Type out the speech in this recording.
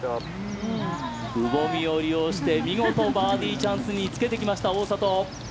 くぼみを利用して見事、バーディーチャンスにつけてきました大里。